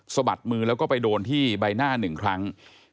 บัดมือแล้วก็ไปโดนที่ใบหน้า๑ครั้ง